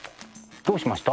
どうしました？